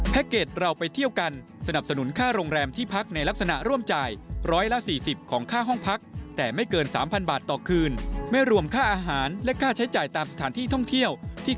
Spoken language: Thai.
แพ็คเกจเราไปเที่ยวกันสนับสนุนค่าโรงแรมที่พักในลักษณะร่วมจ่าย